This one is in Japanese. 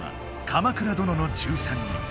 「鎌倉殿の１３人」。